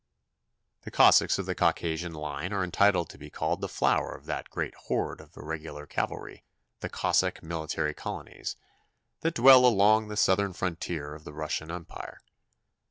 The Cossacks of the Caucasian line are entitled to be called the flower of that great horde of irregular cavalry, the Cossack Military Colonies, that dwell along the southern frontier of the Russian Empire.